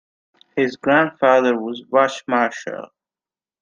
His grandfather was Rush Marshall.